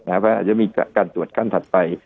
เพราะอาจจะมีการตรวจขั้นถัดไป